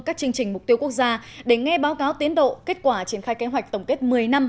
các chương trình mục tiêu quốc gia để nghe báo cáo tiến độ kết quả triển khai kế hoạch tổng kết một mươi năm